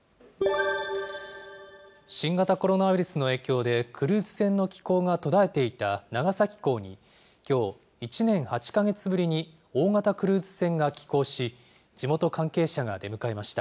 新型コロナウイルスの影響で、クルーズ船の寄港が途絶えていた長崎港に、きょう、１年８か月ぶりに大型クルーズ船が寄港し、地元関係者が出迎えました。